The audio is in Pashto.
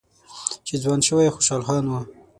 چې ځوان شوی خوشحال خان و